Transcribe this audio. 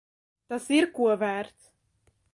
Tas ir ko vērts.